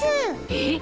えっ！？